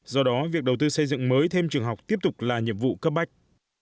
do đó việc đầu tư xây dựng mới thêm trường học tiếp tục là nhiệm vụ cấp bách